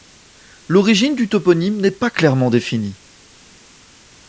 L'origine du toponyme n'est pas clairement définie.